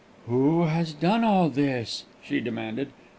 ] "Who has done all this?" she demanded.